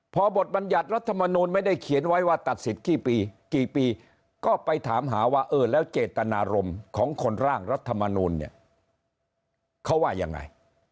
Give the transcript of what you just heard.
พอบทบัญญัติรัฐมนูลไม่ได้เขียนไว้ว่าตัดสิทธิ์กี่ปีกี่ปีก็ไปถามหาว่าเออแล้วเจตนารมณ์ของคนร่างรัฐมนูลเนี่ยเขาว่ายังไง